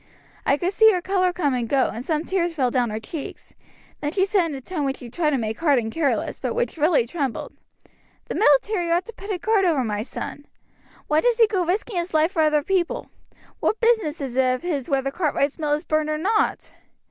I could see her color come and go, and some tears fell down her cheeks; then she said in a tone which she tried to make hard and careless, but which really trembled, 'The military ought to put a guard over my son. Why does he go risking his life for other people? What business is it of his whether Cartwright's mill is burned or not?'